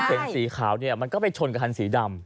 แล้วตอนเข็นสีขาวนี่มันก็ไปชนกับคันสีดำ